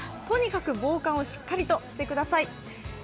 とにかく防寒をしっかりとしてください。